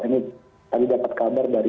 ini tadi dapat kabar dari